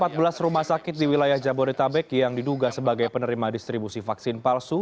empat belas rumah sakit di wilayah jabodetabek yang diduga sebagai penerima distribusi vaksin palsu